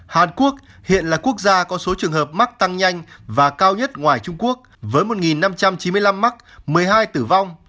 hàn quốc hiện là quốc gia có số trường hợp mắc tăng nhanh và cao nhất ngoài trung quốc với một năm trăm chín mươi năm mắc một mươi hai tử vong